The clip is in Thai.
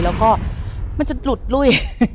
แล้วก็มันจะหลุดลุ้ย